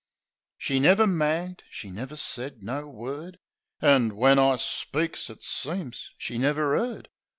She never magged ; she never said no word. An' when I speaks, it seems she never 'card.